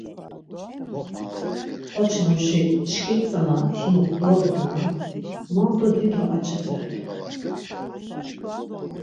K̆oçimuşi şǩit tzana himuk dozduna, mondo dido aç̌ibrert̆u.